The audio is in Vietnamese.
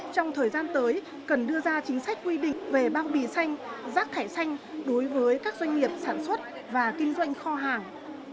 trong thời gian tới cần đưa ra chính sách quy định về bao bì xanh rác thải xanh đối với các doanh nghiệp sản xuất và kinh doanh kho hàng